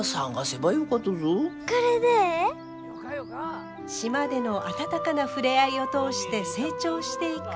島での温かな触れ合いを通して成長していく舞。